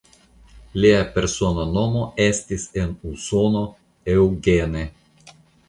Lia persona nomo estis en Usono "Eugene".